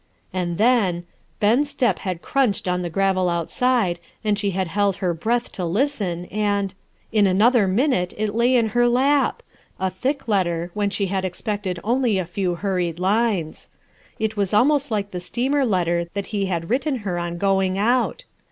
And then — Ben's step had crunched on the gravel outside and she had held her breath to listen, and 1 in another minute it lay in her lap ! A thick letter, when she had expected only a few hurried lines. It was almost like the steamer letter that he had written her on going out.